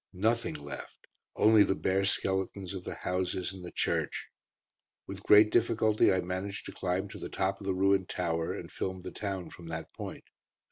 Nothing left, only the bare skeletons of the houses and the church. With great difficulty, I managed to climb to the top of the ruined tower, and filmed the town from that point.